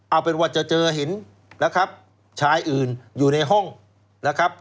เอาเป็นว่าจะเจอเห็นนะครับชายอื่นอยู่ในห้องนะครับ